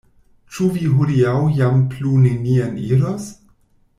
Ĉu vi hodiaŭ jam plu nenien iros?